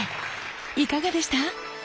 いかがでした？